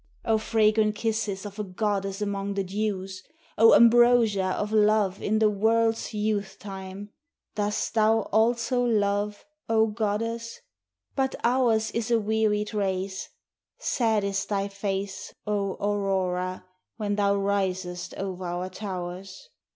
O fragrant kisses of a goddess among the dews! O ambrosia of love in the world's youth time! Dost thou also love, O Goddess? But ours is a wearied race; Sad is thy face, O Aurora, when thou risest over our towers.